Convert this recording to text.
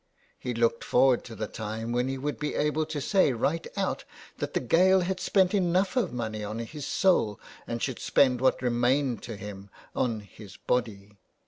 He looked forward to the time when he would be able to say right out that the Gael had spent enough of money on his soul, and should spend what remained to him on his body.